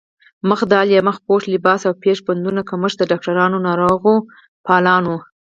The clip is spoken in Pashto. مخ ډال يا مخ پوښ، لباس او پيش بندونو کمښت د ډاکټرانو، ناروغپالانو